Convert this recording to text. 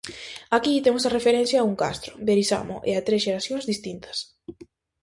Aquí temos a referencia a un castro, Berisamo, e a tres xeracións distintas.